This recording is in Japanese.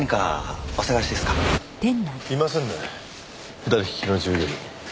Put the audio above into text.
いませんね左利きの従業員。